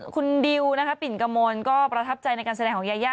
คุณดิวนะคะปิ่นกระมวลก็ประทับใจในการแสดงของยายา